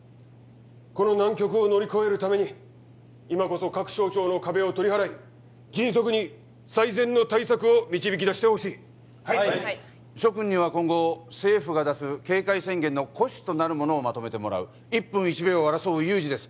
この難局を乗り越えるために今こそ各省庁の壁を取り払い迅速に最善の対策を導き出してほしいはい諸君には今後政府が出す警戒宣言の骨子となるものをまとめてもらう一分一秒を争う有事です